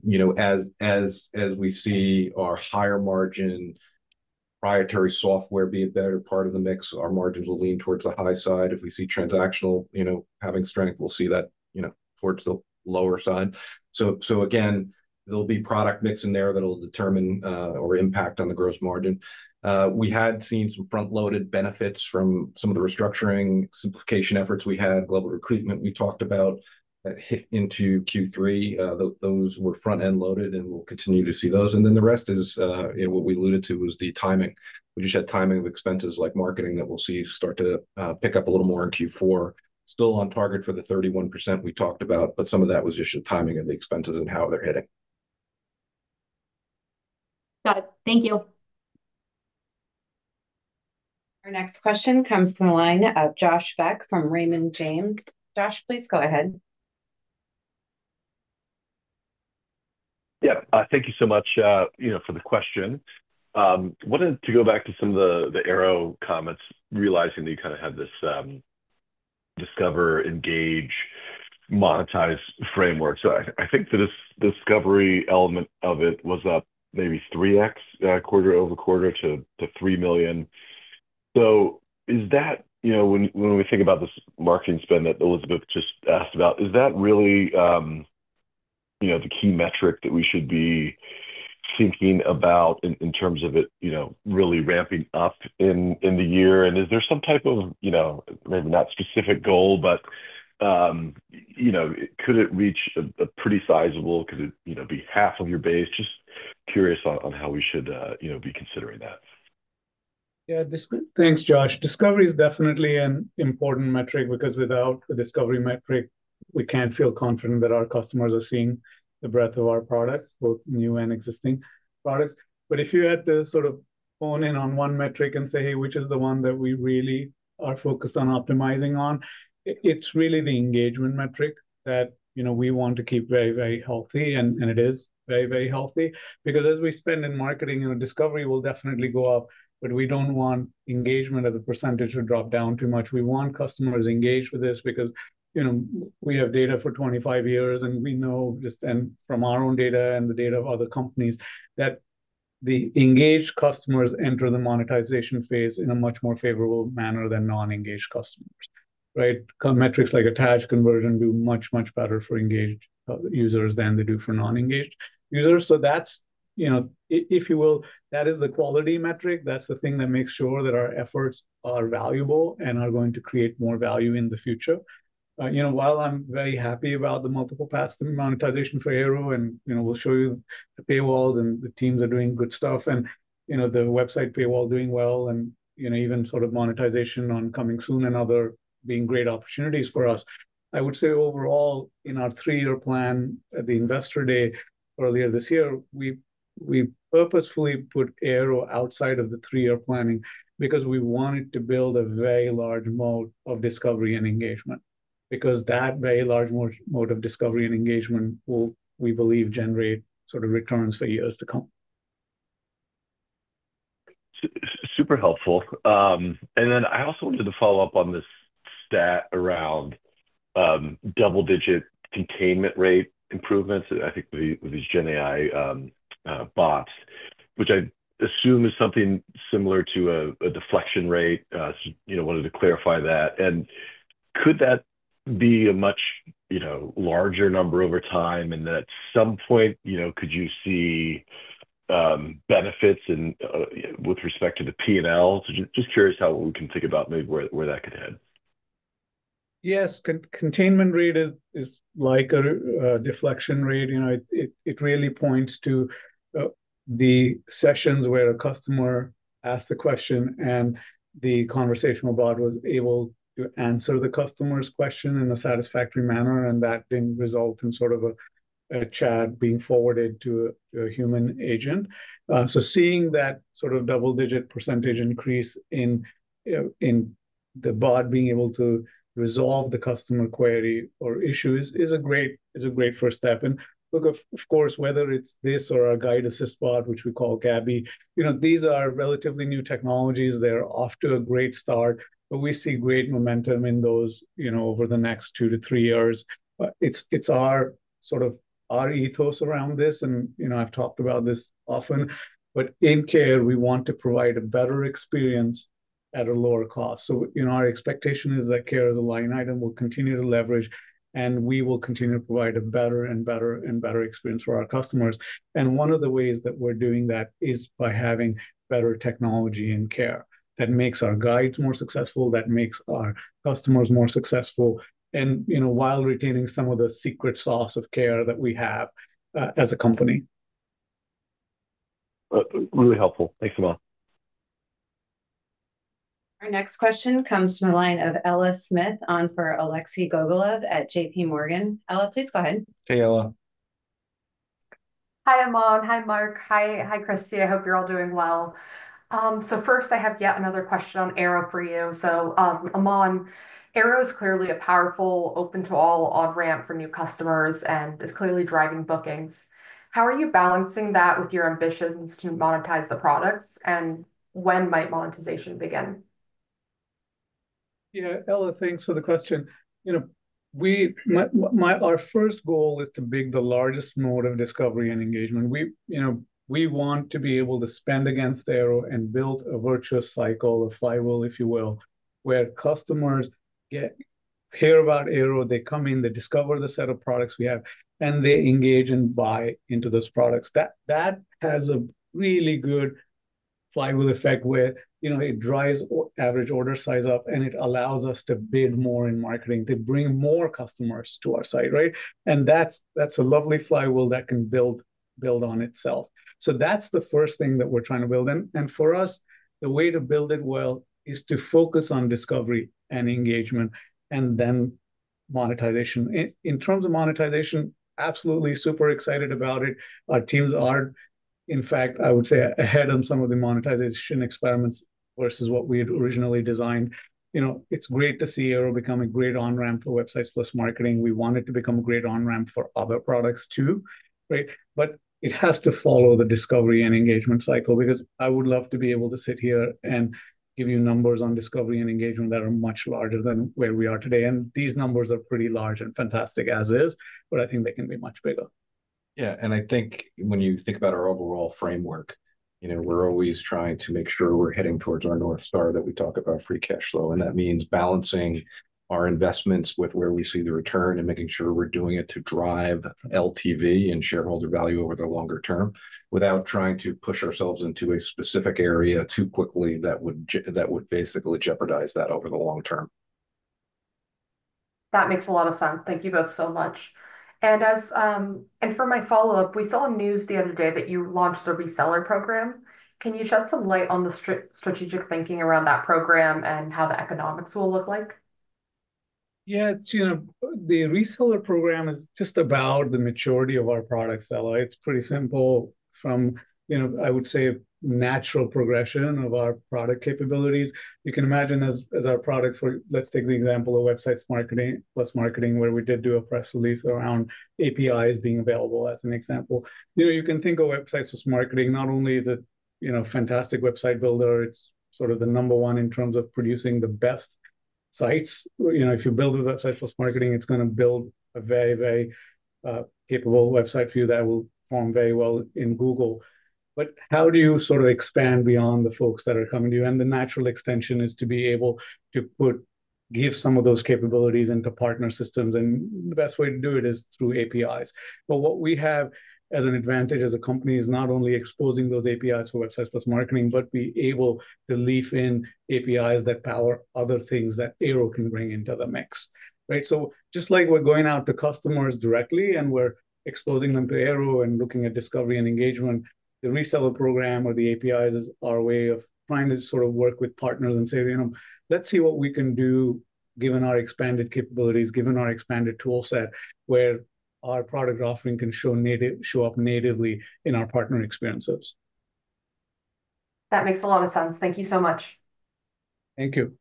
we see our higher margin proprietary software be a better part of the mix, our margins will lean towards the high side. If we see transactional having strength, we'll see that towards the lower side. So again, there'll be product mix in there that'll determine or impact on the gross margin. We had seen some front-loaded benefits from some of the restructuring simplification efforts we had. Global restructuring we talked about that hit into Q3. Those were front-loaded, and we'll continue to see those. And then the rest is what we alluded to was the timing. We just had timing of expenses like marketing that we'll see start to pick up a little more in Q4. Still on target for the 31% we talked about, but some of that was just the timing of the expenses and how they're hitting. Got it. Thank you. Our next question comes from the line of Josh Beck from Raymond James. Josh, please go ahead. Yeah. Thank you so much for the question. Wanted to go back to some of the Airo comments, realizing that you kind of had this discover, engage, monetize framework. So I think the discovery element of it was up maybe 3X quarter over quarter to 3 million. So is that, when we think about this marketing spend that Elizabeth just asked about, is that really the key metric that we should be thinking about in terms of it really ramping up in the year? And is there some type of, maybe not specific goal, but could it reach a pretty sizable, could it be half of your base? Just curious on how we should be considering that. Yeah. Thanks, Josh. Discovery is definitely an important metric because without the discovery metric, we can't feel confident that our customers are seeing the breadth of our products, both new and existing products. But if you had to sort of hone in on one metric and say, "Hey, which is the one that we really are focused on optimizing on?" It's really the engagement metric that we want to keep very, very healthy. And it is very, very healthy because as we spend in marketing, discovery will definitely go up, but we don't want engagement as a percentage to drop down too much. We want customers engaged with this because we have data for 25 years, and we know just from our own data and the data of other companies that the engaged customers enter the monetization phase in a much more favorable manner than non-engaged customers, right? Metrics like attach conversion do much, much better for engaged users than they do for non-engaged users. So that's, if you will, that is the quality metric. That's the thing that makes sure that our efforts are valuable and are going to create more value in the future. While I'm very happy about the multiple paths to monetization for Airo, and we'll show you the paywalls and the teams are doing good stuff and the website paywall doing well and even sort of monetization on Coming Soon and other being great opportunities for us, I would say overall, in our three-year plan at the investor day earlier this year, we purposefully put Airo outside of the three-year planning because we wanted to build a very large moat of discovery and engagement because that very large moat of discovery and engagement will, we believe, generate sort of returns for years to come. Super helpful. And then I also wanted to follow up on this stat around double-digit containment rate improvements, I think with these GenAI bots, which I assume is something similar to a deflection rate. Wanted to clarify that. And could that be a much larger number over time? And at some point, could you see benefits with respect to the P&L? Just curious how we can think about maybe where that could head. Yes. Containment Rate is like a deflection rate. It really points to the sessions where a customer asked the question and the conversational bot was able to answer the customer's question in a satisfactory manner, and that didn't result in sort of a chat being forwarded to a human agent. So seeing that sort of double-digit percentage increase in the bot being able to resolve the customer query or issue is a great first step. And look, of course, whether it's this or our Guide Assist Bot, which we call Gabby, these are relatively new technologies. They're off to a great start, but we see great momentum in those over the next two to three years. It's sort of our ethos around this, and I've talked about this often, but in care, we want to provide a better experience at a lower cost. Our expectation is that care is a line item. We'll continue to leverage, and we will continue to provide a better and better and better experience for our customers. One of the ways that we're doing that is by having better technology in care that makes our Guides more successful, that makes our customers more successful, and while retaining some of the secret sauce of care that we have as a company. Really helpful. Thanks a lot. Our next question comes from the line of Ella Smith on for Alexei Gogolev at J.P. Morgan. Ella, please go ahead. Hey, Ella. Hi, Aman. Hi, Mark. Hi, Christie. I hope you're all doing well. So first, I have yet another question on Airo for you. So Aman, Airo is clearly a powerful open-to-all on-ramp for new customers and is clearly driving bookings. How are you balancing that with your ambitions to monetize the products, and when might monetization begin? Yeah. Ella, thanks for the question. Our first goal is to be the largest mode of discovery and engagement. We want to be able to spend against Airo and build a virtuous cycle, a flywheel, if you will, where customers hear about Airo, they come in, they discover the set of products we have, and they engage and buy into those products. That has a really good flywheel effect where it drives average order size up, and it allows us to bid more in marketing to bring more customers to our site, right? And that's a lovely flywheel that can build on itself. So that's the first thing that we're trying to build. And for us, the way to build it well is to focus on discovery and engagement and then monetization. In terms of monetization, absolutely super excited about it. Our teams are, in fact, I would say, ahead on some of the monetization experiments versus what we had originally designed. It's great to see Airo become a great on-ramp for websites plus marketing. We want it to become a great on-ramp for other products too, right? But it has to follow the discovery and engagement cycle because I would love to be able to sit here and give you numbers on discovery and engagement that are much larger than where we are today. And these numbers are pretty large and fantastic as is, but I think they can be much bigger. Yeah, and I think when you think about our overall framework, we're always trying to make sure we're heading towards our North Star that we talk about, free cash flow. And that means balancing our investments with where we see the return and making sure we're doing it to drive LTV and shareholder value over the longer term without trying to push ourselves into a specific area too quickly that would basically jeopardize that over the long term. That makes a lot of sense. Thank you both so much. And for my follow-up, we saw news the other day that you launched the reseller program. Can you shed some light on the strategic thinking around that program and how the economics will look like? Yeah. The Reseller Program is just about the maturity of our products, Ella. It's pretty simple from, I would say, natural progression of our product capabilities. You can imagine as our products. Let's take the example of Websites + Marketing where we did do a press release around APIs being available as an example. You can think of Websites + Marketing. Not only is it a fantastic website builder, it's sort of the number one in terms of producing the best sites. If you build a Websites + Marketing, it's going to build a very, very capable website for you that will perform very well in Google. But how do you sort of expand beyond the folks that are coming to you, and the natural extension is to be able to give some of those capabilities into partner systems, and the best way to do it is through APIs. But what we have as an advantage as a company is not only exposing those APIs for Websites + Marketing, but be able to weave in APIs that power other things that Airo can bring into the mix, right? So just like we're going out to customers directly and we're exposing them to Airo and looking at discovery and engagement, the Reseller Program or the APIs is our way of trying to sort of work with partners and say, "Let's see what we can do given our expanded capabilities, given our expanded toolset where our product offering can show up natively in our partner experiences. That makes a lot of sense. Thank you so much. Thank you.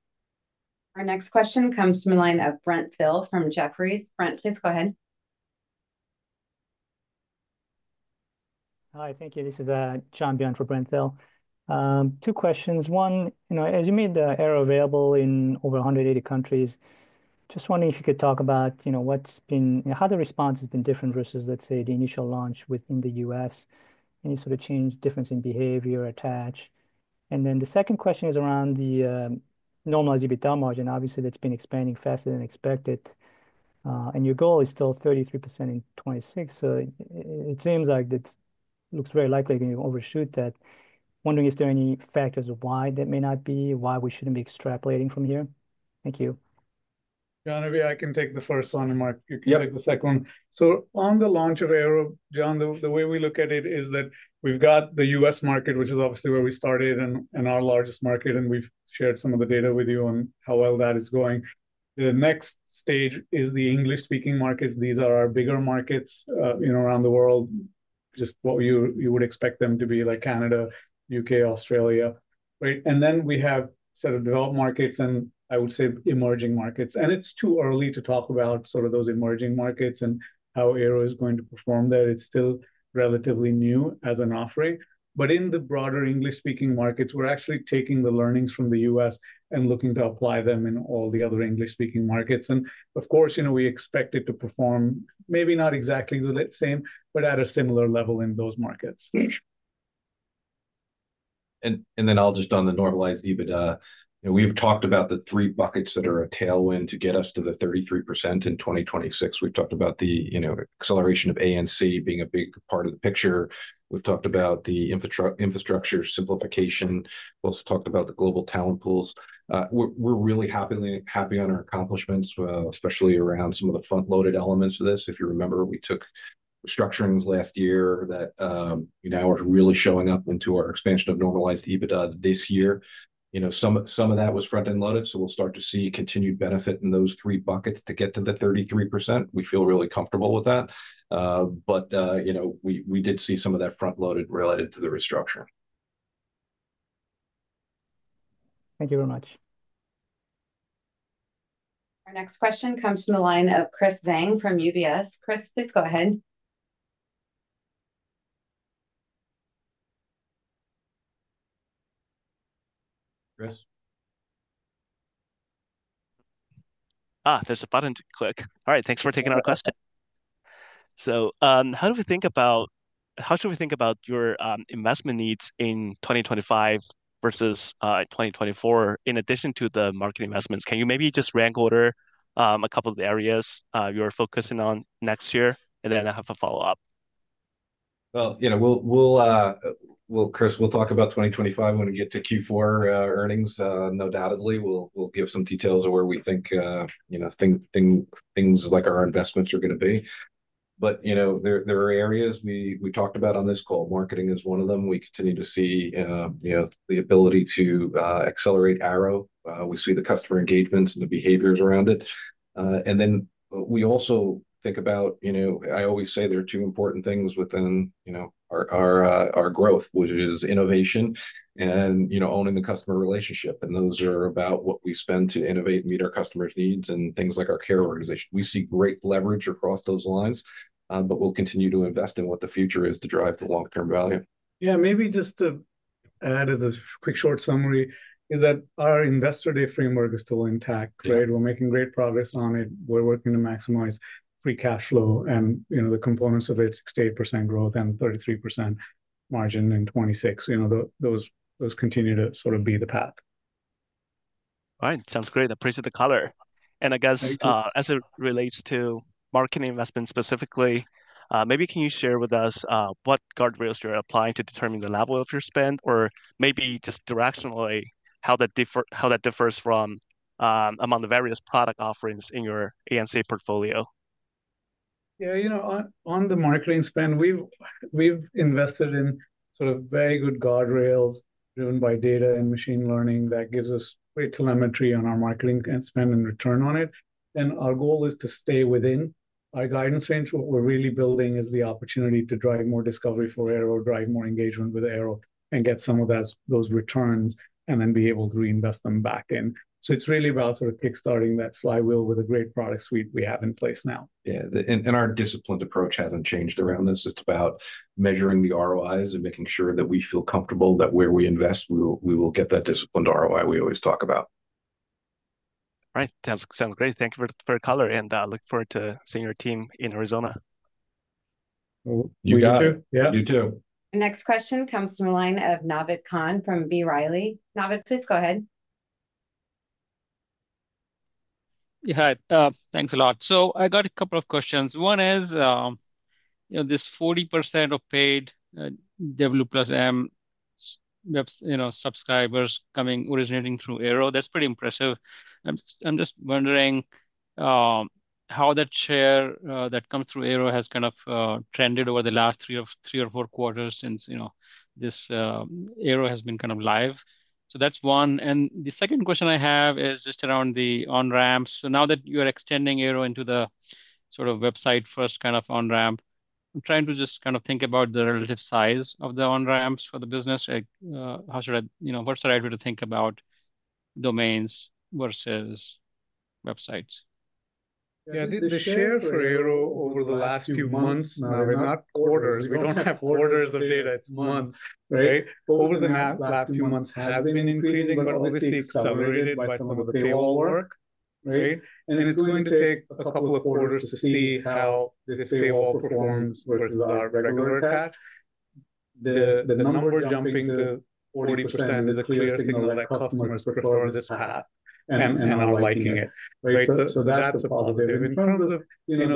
Our next question comes from the line of Brent Thill from Jefferies. Brent, please go ahead. Hi. Thank you. This is John Byun for Brent Thill. Two questions. One, as you made the Airo available in over 180 countries, just wondering if you could talk about what's been how the response has been different versus, let's say, the initial launch within the US, any sort of change, difference in behavior, attach. And then the second question is around the normalized EBITDA margin. Obviously, that's been expanding faster than expected. And your goal is still 33% in 2026. So it seems like it looks very likely you can overshoot that. Wondering if there are any factors of why that may not be, why we shouldn't be extrapolating from here. Thank you. John, maybe I can take the first one, and Mark, you can take the second one. So on the launch of Airo, John, the way we look at it is that we've got the U.S. market, which is obviously where we started and our largest market, and we've shared some of the data with you on how well that is going. The next stage is the English-speaking markets. These are our bigger markets around the world, just what you would expect them to be like Canada, U.K., Australia, right? And then we have sort of developed markets and I would say emerging markets. And it's too early to talk about sort of those emerging markets and how Airo is going to perform there. It's still relatively new as an offering. But in the broader English-speaking markets, we're actually taking the learnings from the U.S. and looking to apply them in all the other English-speaking markets. And of course, we expect it to perform maybe not exactly the same, but at a similar level in those markets. And then I'll just on the normalized EBITDA. We've talked about the three buckets that are a tailwind to get us to the 33% in 2026. We've talked about the acceleration of A&C being a big part of the picture. We've talked about the infrastructure simplification. We've also talked about the global talent pools. We're really happy on our accomplishments, especially around some of the front-loaded elements of this. If you remember, we took restructurings last year that were really showing up into our expansion of normalized EBITDA this year. Some of that was front-end loaded, so we'll start to see continued benefit in those three buckets to get to the 33%. We feel really comfortable with that. But we did see some of that front-loaded related to the restructure. Thank you very much. Our next question comes from the line of Chris Zhang from UBS. Chris, please go ahead. Chris. There's a button to click. All right. Thanks for taking our question. So how do we think about how should we think about your investment needs in 2025 versus 2024? In addition to the marketing investments, can you maybe just rank order a couple of the areas you're focusing on next year? And then I have a follow-up. Chris, we'll talk about 2025 when we get to Q4 earnings. Undoubtedly, we'll give some details of where we think things like our investments are going to be, but there are areas we talked about on this call. Marketing is one of them. We continue to see the ability to accelerate Airo. We see the customer engagements and the behaviors around it, and then we also think about. I always say there are two important things within our growth, which is innovation and owning the customer relationship, and those are about what we spend to innovate and meet our customers' needs and things like our care organization. We see great leverage across those lines, but we'll continue to invest in what the future is to drive the long-term value. Yeah. Maybe just to add as a quick short summary is that our investor day framework is still intact, right? We're making great progress on it. We're working to maximize free cash flow and the components of its 6-8% growth and 33% margin in 2026. Those continue to sort of be the path. All right. Sounds great. Appreciate the color. And I guess as it relates to marketing investment specifically, maybe can you share with us what guardrails you're applying to determine the level of your spend or maybe just directionally how that differs from among the various product offerings in your A&C portfolio? Yeah. On the marketing spend, we've invested in sort of very good guardrails driven by data and machine learning that gives us great telemetry on our marketing spend and return on it. And our goal is to stay within our guidance range. What we're really building is the opportunity to drive more discovery for Airo, drive more engagement with Airo, and get some of those returns and then be able to reinvest them back in. So it's really about sort of kickstarting that flywheel with a great product suite we have in place now. Yeah, and our disciplined approach hasn't changed around this. It's about measuring the ROIs and making sure that we feel comfortable that where we invest, we will get that disciplined ROI we always talk about. All right. Sounds great. Thank you for the color, and I look forward to seeing your team in Arizona. You too. You too. Next question comes from the line of Naved Khan from B. Riley. Naved, please go ahead. Hi. Thanks a lot. So I got a couple of questions. One is this 40% of paid W+M subscribers coming originating through Airo. That's pretty impressive. I'm just wondering how that share that comes through Airo has kind of trended over the last three or four quarters since this Airo has been kind of live. So that's one. And the second question I have is just around the on-ramps. So now that you're extending Airo into the sort of website-first kind of on-ramp, I'm trying to just kind of think about the relative size of the on-ramps for the business. What's the right way to think about domains versus websites? Yeah. The share for Airo over the last few months, not quarters. We don't have quarters of data. It's months, right? Over the last few months has been increasing, but obviously accelerated by some of the paywall work, right? And then it's going to take a couple of quarters to see how this paywall performs versus our regular attach. The number jumping to 40% is a clear signal that customers prefer this path and are liking it, right? So that's a positive. In terms of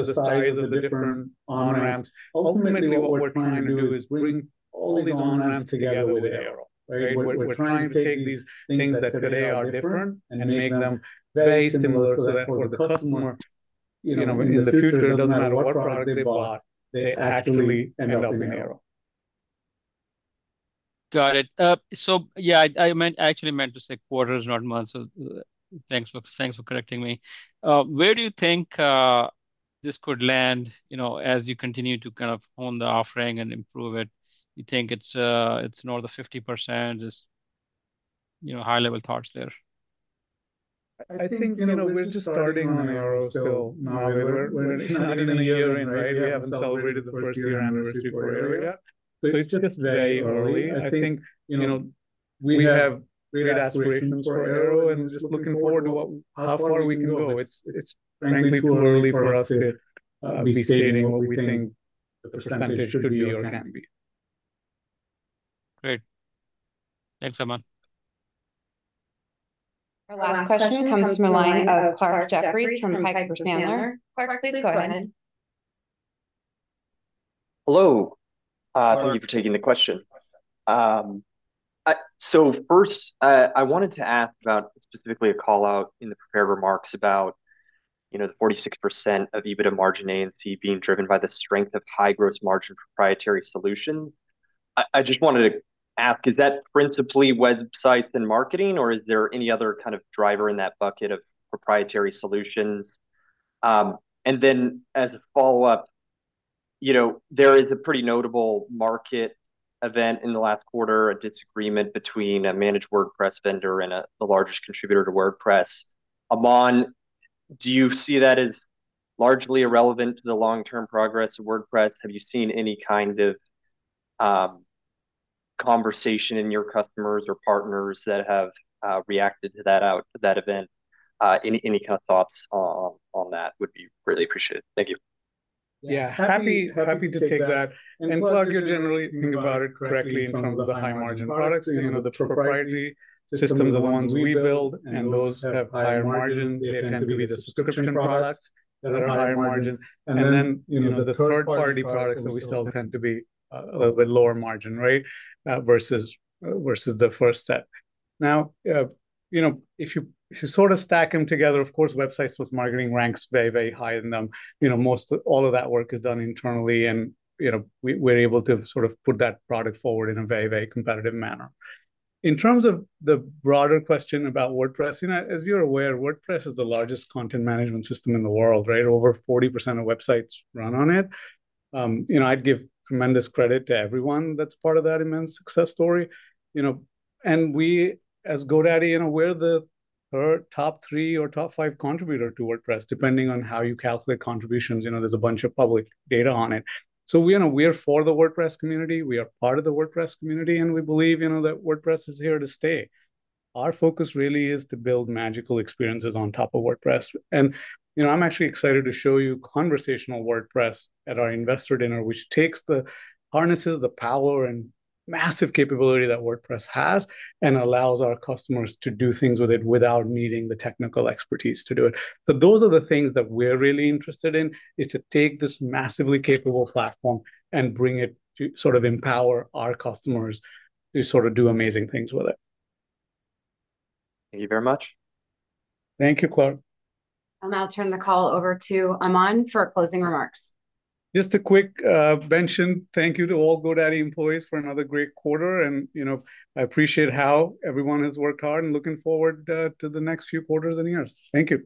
the size of the different on-ramps, ultimately what we're trying to do is bring all these on-ramps together with Airo, right? We're trying to take these things that today are different and make them very similar so that for the customer in the future, it doesn't matter what product they bought, they actually end up in Airo. Got it. So yeah, I actually meant to say quarters, not months. So thanks for correcting me. Where do you think this could land as you continue to kind of own the offering and improve it? You think it's north of 50%? High-level thoughts there? I think we're just starting on Airo still. We're not even a year in, right? We haven't celebrated the first year anniversary for Airo yet. So it's just very early. I think we have great aspirations for Airo and just looking forward to how far we can go. It's frankly too early for us to be stating what we think the percentage should be or can be. Great. Thanks so much. Our last question comes from the line of Clarke Jeffries from Piper Sandler. Clarke, please go ahead. Hello. Thank you for taking the question. So first, I wanted to ask about specifically a call-out in the prepared remarks about the 46% EBITDA margin A&C being driven by the strength of high-growth margin proprietary solutions. I just wanted to ask, is that principally websites and marketing, or is there any other kind of driver in that bucket of proprietary solutions? And then as a follow-up, there is a pretty notable market event in the last quarter, a disagreement between a managed WordPress vendor and the largest contributor to WordPress. Aman, do you see that as largely irrelevant to the long-term progress of WordPress? Have you seen any kind of conversation in your customers or partners that have reacted to that event? Any kind of thoughts on that would be really appreciated. Thank you. Yeah. Happy to take that. And Clarke, you're generally thinking about it correctly in terms of the high-margin products. The proprietary systems, the ones we build, and those that have higher margin, they tend to be the subscription products that are higher margin. And then the third-party products that we sell tend to be a little bit lower margin, right, versus the first set. Now, if you sort of stack them together, of course, Websites + Marketing ranks very, very high in them. All of that work is done internally, and we're able to sort of put that product forward in a very, very competitive manner. In terms of the broader question about WordPress, as you're aware, WordPress is the largest content management system in the world, right? Over 40% of websites run on it. I'd give tremendous credit to everyone that's part of that immense success story. And we, as GoDaddy, we're the top three or top five contributor to WordPress, depending on how you calculate contributions. There's a bunch of public data on it. So we're for the WordPress community. We are part of the WordPress community, and we believe that WordPress is here to stay. Our focus really is to build magical experiences on top of WordPress. And I'm actually excited to show you conversational WordPress at our investor dinner, which harnesses the power and massive capability that WordPress has and allows our customers to do things with it without needing the technical expertise to do it. So those are the things that we're really interested in, is to take this massively capable platform and bring it to sort of empower our customers to sort of do amazing things with it. Thank you very much. Thank you, Clarke. I'll now turn the call over to Aman for closing remarks. Just a quick mention. Thank you to all GoDaddy employees for another great quarter. And I appreciate how everyone has worked hard and looking forward to the next few quarters and years. Thank you.